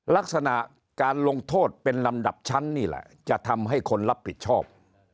ลักษณะการลงโทษเป็นลำดับชั้นนี่แหละจะทำให้คนรับผิดชอบ